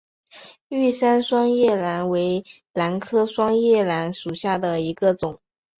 玉山双叶兰为兰科双叶兰属下的一个种。